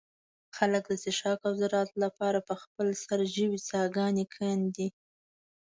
خلک د څښاک او زراعت له پاره په خپل سر ژوې څاګانې کندي.